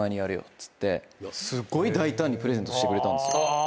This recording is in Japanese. すっごい大胆にプレゼントしてくれたんですよ。